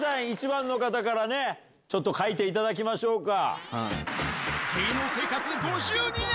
１番の方から書いていただきましょうか。